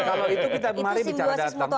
kalau itu kita mari bicara datang